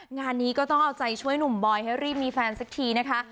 งานนี้ก็ต้องเอาใจช่วยหนุ่มบอยให้รีบมีแฟนสักทีนะคะ